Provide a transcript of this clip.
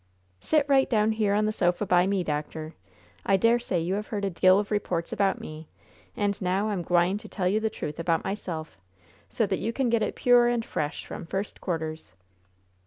"Sit right down here on the sofa by me, doctor! I dare say you have heard a deal of reports about me, and now I'm gwine to tell you the truth about myself, so that you can get it pure and fresh from first quarters!"